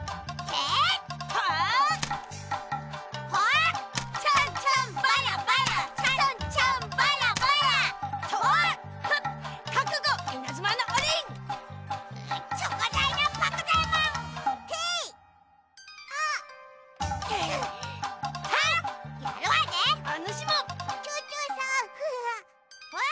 えっ？